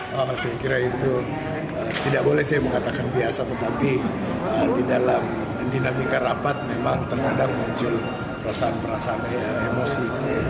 saya kira itu tidak boleh saya mengatakan biasa tetapi di dalam dinamika rapat memang terkadang muncul perasaan perasaan emosi